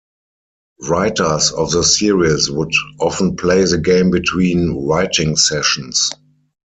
Writers of the series would often play the game between writing sessions.